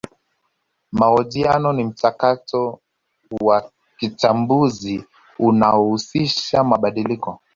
Mahojiano ni mchakato wa kichambuzi unaohusisha mabadiliko